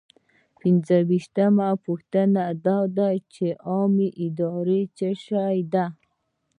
پنځویشتمه پوښتنه دا ده چې عامه اداره څه شی ده.